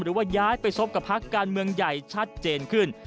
หรือว่าย้ายไปซบกับพักการเมืองใหญ่ชัดเจนขึ้น